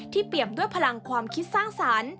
เปรียบด้วยพลังความคิดสร้างสรรค์